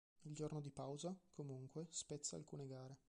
Il giorno di pausa, comunque, spezza alcune gare.